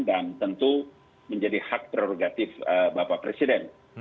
dan tentu menjadi hak prerogatif bapak presiden